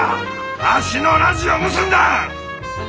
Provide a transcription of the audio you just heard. わしのラジオ盗んだん！